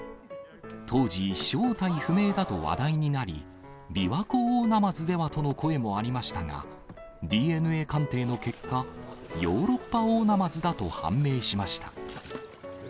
当時、正体不明だと話題になり、ビワコオオナマズではとの声もありましたが、ＤＮＡ鑑定の結果、ヨーロッパオオナマズだと判明しました。